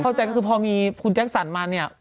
เพิ่งแจ๊คสันคือพอมีคุณแจ๊คสันมาเนี่ย